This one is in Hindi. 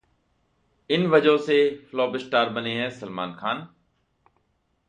इन वजहों से 'फ्लॉप' स्टार हैं सलमान खान